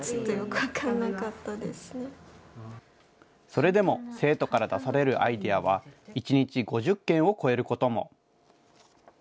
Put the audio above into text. それでも、生徒から出されるアイデアは１日５０件を超えることも。